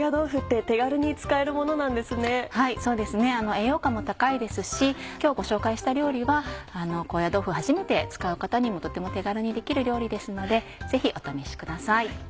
栄養価も高いですし今日ご紹介した料理は高野豆腐を初めて使う方にもとても手軽にできる料理ですのでぜひお試しください。